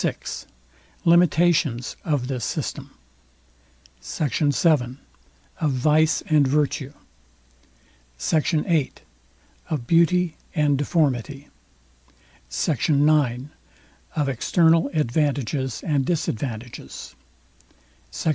VI LIMITATIONS OF THIS SYSTEM SECT. VII OF VICE AND VIRTUE SECT. VIII OF BEAUTY AND DEFORMITY SECT. IX OF EXTERNAL ADVANTAGES AND DISADVANTAGES SECT.